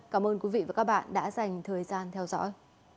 cảm ơn quý vị và các bạn đã dành thời gian theo dõi